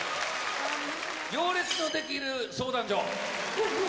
行列のできる相談所。